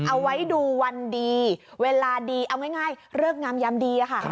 เอาไว้ดูวันดีเวลาดีเอาง่ายเลิกงามยามดีค่ะ